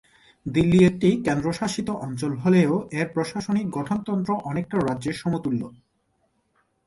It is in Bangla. দিল্লি একটি কেন্দ্রশাসিত অঞ্চল হলেও এর প্রশাসনিক গঠনতন্ত্র অনেকটা রাজ্যের সমতুল্য।